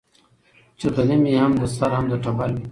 چي غلیم یې هم د سر هم د ټبر وي